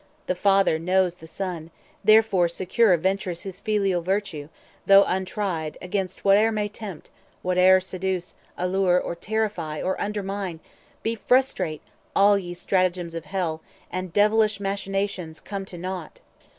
The Father knows the Son; therefore secure Ventures his filial virtue, though untried, Against whate'er may tempt, whate'er seduce, Allure, or terrify, or undermine. Be frustrate, all ye stratagems of Hell, 180 And, devilish machinations, come to nought!"